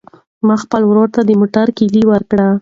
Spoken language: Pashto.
ما خپل ورور ته د موټر کیلي ورکړه.